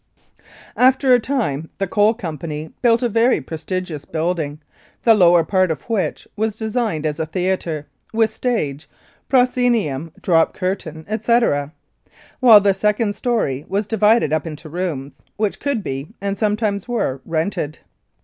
68 1890 97. Lethbridge After a time the Coal Company built a very pre tentious building, the lower part of which was designed as a theatre, with stage, proscenium, drop curtain, etc., while the second story was divided up into rooms which could be, and sometimes were, rented.